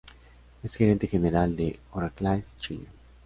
Es gerente general de Oracle Chile.